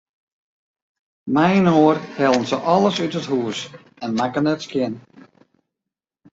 Mei-inoar hellen se alles út it hûs en makken it skjin.